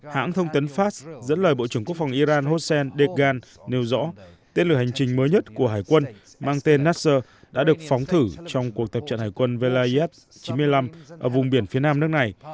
hãng thông tấn fas dẫn lời bộ trưởng quốc phòng iran hossein degan nêu rõ tên lửa hành trình mới nhất của hải quân mang tên nasser đã được phóng thử trong cuộc tập trận hải quân velayyad chín mươi năm ở vùng biển phía nam nước này